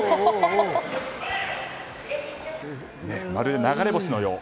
まるで流れ星のよう。